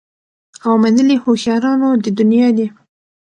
او منلي هوښیارانو د دنیا دي